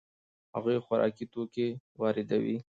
هغوی خوراکي توکي واردوي.